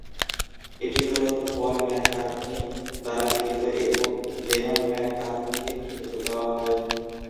এটি মূলত Paul McCartney দ্বারা লিখিত এবং লেনন-ম্যাককার্টনিকে কৃতিত্ব দেওয়া হয়।